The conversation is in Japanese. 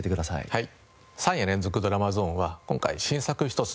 はい。